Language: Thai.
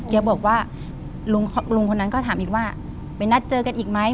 แกบอกว่าลุงคนนั้นก็ถามอีกว่าไปนัดเจอกันอีกไหม